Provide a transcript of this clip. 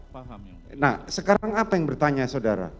paham nah sekarang apa yang bertanya saudara